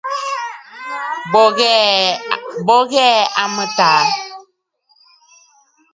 Bo ghɛɛ a mɨtaa.